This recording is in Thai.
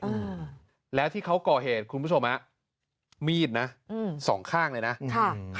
อ่าแล้วที่เขาก่อเหตุคุณผู้ชมฮะมีดนะอืมสองข้างเลยนะค่ะ